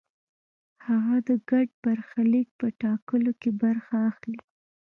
هغه د ګډ برخلیک په ټاکلو کې برخه اخلي.